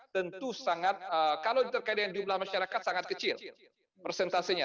tentu sangat kalau terkait dengan jumlah masyarakat sangat kecil persentasenya